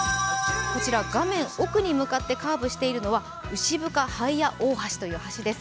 画面奥に向かってカーブしているのは牛深ハイヤ大橋という橋です。